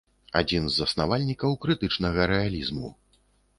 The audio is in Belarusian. Адзін з заснавальнікаў крытычнага рэалізму.